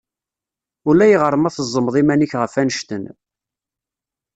Ulayɣer ma tezzmeḍ iman-ik ɣef annect-en.